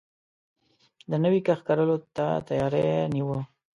د نوی کښت کرلو ته يې تياری نيوه.